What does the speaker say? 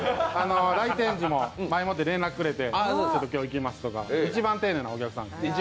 来店時も前もって連絡くれて、今日行きますとか、一番丁寧なお客さん。